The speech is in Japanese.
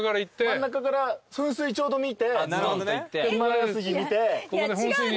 真ん中から噴水ちょうど見てヒマラヤ杉見て。